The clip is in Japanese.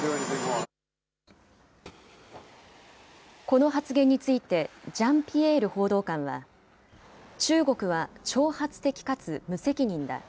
この発言について、ジャンピエール報道官は、中国は挑発的かつ無責任だ。